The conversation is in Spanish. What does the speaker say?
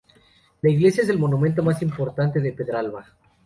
La Iglesia es el monumento más importante de Pedralba.